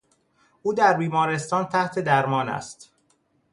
او در بیمارستان تحت درمان است.